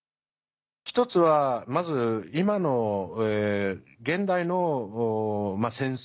１つは、まず今の現代の戦争。